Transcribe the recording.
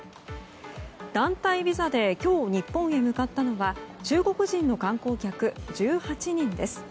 団体ビザで今日、日本へ向かったのは中国人の観光客１８人です。